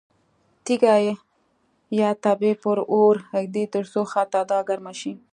تیږه یا تبۍ پر اور ږدي ترڅو ښه توده او ګرمه شي.